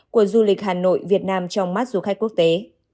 của du lịch hà nội việt nam trong mắt du khách quốc tế